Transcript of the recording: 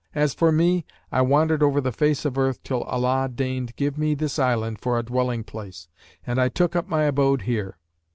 As for me, I wandered over the face of earth till Allah deigned give me this island for a dwelling place, and I took up my abode here.